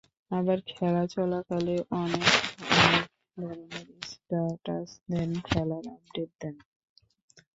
আবার খেলা চলাকালে অনেকে অনেক ধরনের স্ট্যাটাস দেন, খেলার আপডেট দেন।